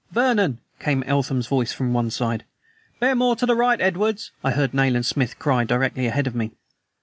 "Vernon!" came Eltham's voice from one side. "Bear more to the right, Edwards," I heard Nayland Smith cry directly ahead of me.